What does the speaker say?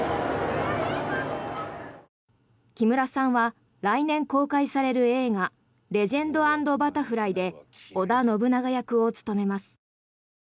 木村さんは来年公開される映画「レジェンド＆バタフライ」で織田信長役を務めます。